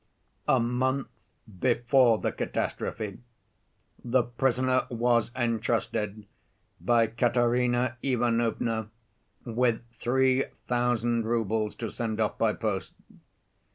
"A month before the catastrophe the prisoner was entrusted by Katerina Ivanovna with three thousand roubles to send off by post.